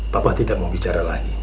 bapak tidak mau bicara lagi